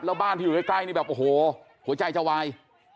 แล้วบ้านที่อยู่ใกล้นี่แบบโอ้โหหัวใจจะวาย